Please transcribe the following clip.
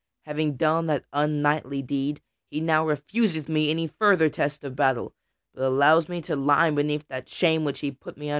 Having done that unknightly deed, he now refuseth me any further test of battle, but allows me to lie beneath that shame which he put upon me.